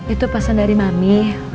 itu pasan dari mami